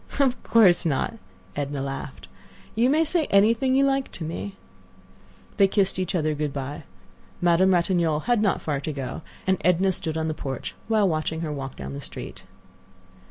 "Of course not," Edna laughed. "You may say anything you like to me." They kissed each other good by. Madame Ratignolle had not far to go, and Edna stood on the porch a while watching her walk down the street.